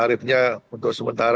apa tarifnya untuk sementara